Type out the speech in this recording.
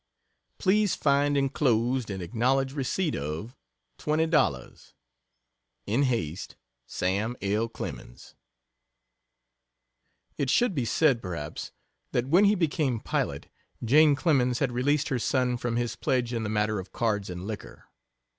Please find enclosed and acknowledge receipt of $20.00 In haste SAM L. CLEMENS It should be said, perhaps, that when he became pilot Jane Clemens had released her son from his pledge in the matter of cards and liquor.